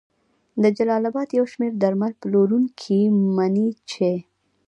د جلال اباد یو شمېر درمل پلورونکي مني چې